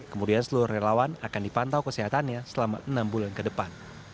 kemudian seluruh relawan akan dipantau kesehatannya selama enam bulan ke depan